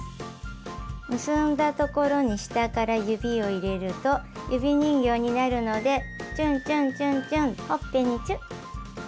結んだ所に下から指を入れると指人形になるのでちゅんちゅんちゅんちゅんほっぺにチュ。